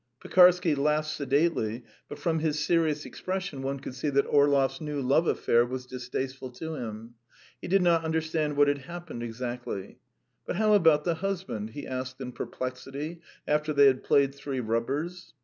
Pekarsky laughed sedately, but from his serious expression one could see that Orlov's new love affair was distasteful to him. He did not understand what had happened exactly. "But how about the husband?" he asked in perplexity, after they had played three rubbers.